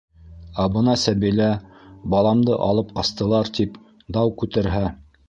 Ә бына Сәбилә, баламды алып ҡастылар, тип дау күтәрһә?!